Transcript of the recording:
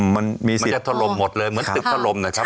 มันจะถลบหมดเลยเหมือนตึกถลบนะครับ